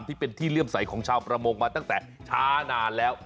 ที่เป็นที่เลื่อมใสของชาวประมงมาตั้งแต่ช้านานแล้ว